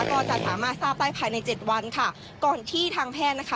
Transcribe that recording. ก็จะสามารถทราบได้ภายในเจ็ดวันค่ะก่อนที่ทางแพทย์นะคะ